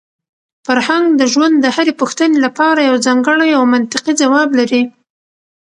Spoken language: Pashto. فرهنګ د ژوند د هرې پوښتنې لپاره یو ځانګړی او منطقي ځواب لري.